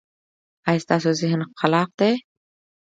ایا ستاسو ذهن خلاق دی؟